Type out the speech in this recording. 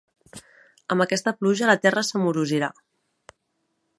Amb aquesta pluja la terra s'amorosirà.